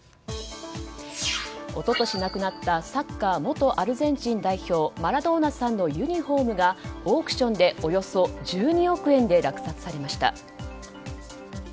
一昨年亡くなったサッカー元アルゼンチン代表マラドーナさんのユニホームがオークションでおよそ１２億円で落札されました。